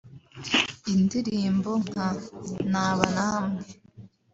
Indirimbo nka ‘Naba Namwe